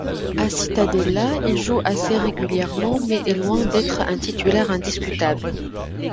À Cittadella, il joue assez régulièrement, mais est loin d'être un titulaire indiscutable.